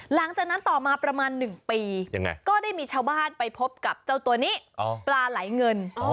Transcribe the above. หลังจากนั้นต่อมาประมาณ๑ปีก็ได้มีชาวบ้านไปพบกับเจ้าตัวนี้ปลาไหลเงิน